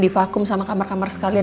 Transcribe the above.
divakuum sama kamar kamar sekalian